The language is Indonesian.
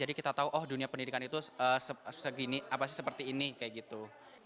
jadi kita tahu oh dunia pendidikan itu segini apa sih seperti ini kayak gitu